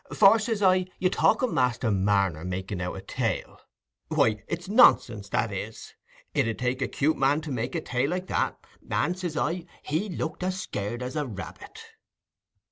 For, says I, you talk o' Master Marner making out a tale—why, it's nonsense, that is: it 'ud take a 'cute man to make a tale like that; and, says I, he looked as scared as a rabbit."